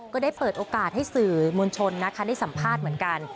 ก็ได้เปิดโอกาสให้สื่อมวลชนนะคะได้สัมภาษณ์เหมือนกัน